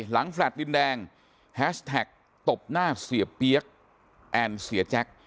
แฟลต์ดินแดงแฮชแท็กตบหน้าเสียเปี๊ยกแอนเสียแจ็ค